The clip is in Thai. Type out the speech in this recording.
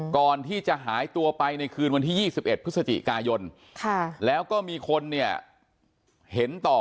ก่อนที่จะหายตัวไปในคืนวันที่๒๑พฤศจิกายนแล้วก็มีคนเนี่ยเห็นต่อ